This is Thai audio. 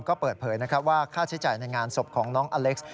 ก็เปิดเผยว่าค่าใช้จ่ายในงานศพของน้องอเล็กซ์